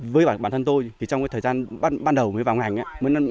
với bản thân tôi thì trong cái thời gian ban đầu mới vào ngành